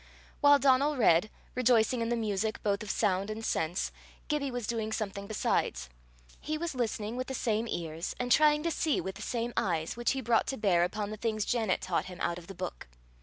While Donal read, rejoicing in the music both of sound and sense, Gibbie was doing something besides: he was listening with the same ears, and trying to see with the same eyes, which he brought to bear upon the things Janet taught him out of the book.